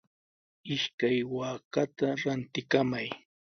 Ishkay waakata rantikamay.